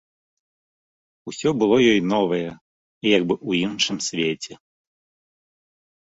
Усё было ёй новае і як бы ў іншым свеце.